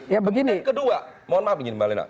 yang kedua mohon maaf begini mbak lena